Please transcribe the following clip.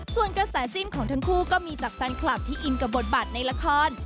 ส่วนกระแสจิ้นของทั้งคู่ก็มีจากแฟนคลับที่อินกับบทบาทในละคร